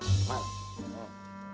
hai assalamualaikum salam